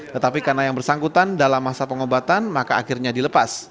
tetapi karena yang bersangkutan dalam masa pengobatan maka akhirnya dilepas